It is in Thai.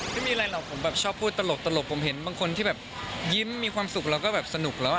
ไม่มีอะไรหรอกผมแบบชอบพูดตลกผมเห็นบางคนที่แบบยิ้มมีความสุขเราก็แบบสนุกแล้ว